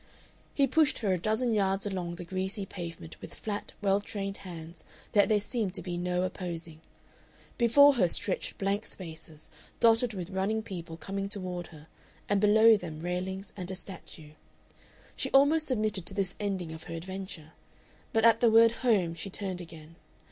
He pushed her a dozen yards along the greasy pavement with flat, well trained hands that there seemed to be no opposing. Before her stretched blank spaces, dotted with running people coming toward her, and below them railings and a statue. She almost submitted to this ending of her adventure. But at the word "home" she turned again.